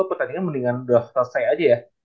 atau tadi mendingan udah selesai aja ya